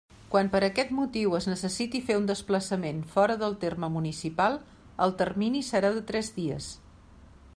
Quan per aquest motiu es necessiti fer un desplaçament fora del terme municipal, el termini serà de tres dies.